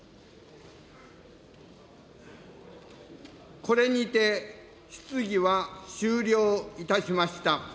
これにて質疑は終了いたしました。